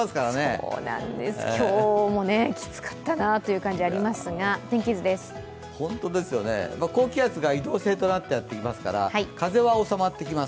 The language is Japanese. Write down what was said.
そうなんです、今日もきつかったなという高気圧が移動性となってやってきますから風は収まってきます。